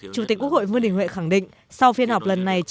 chủ tịch quốc hội vương đình huệ khẳng định sau phiên họp lần này